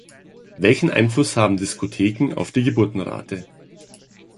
Welchen Einfluss haben Diskotheken auf die Geburtenrate?